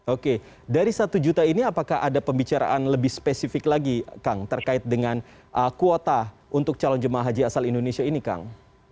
oke dari satu juta ini apakah ada pembicaraan lebih spesifik lagi kang terkait dengan kuota untuk calon jemaah haji asal indonesia ini kang